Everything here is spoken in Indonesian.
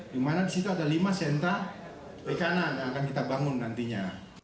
di mana di situ ada lima senta di kanan yang akan kita bangun nantinya